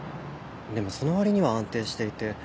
でもそのわりには安定していて。